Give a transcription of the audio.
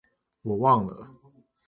我忘了